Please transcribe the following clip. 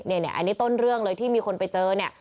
อันนี้ต้นเรื่องเลยที่มีคนไปเจอเนี่ย